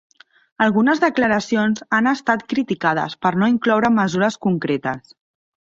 Algunes declaracions han estat criticades per no incloure mesures concretes.